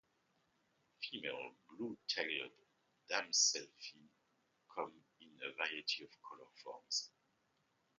Female blue-tailed Damselflies come in a variety of colour forms.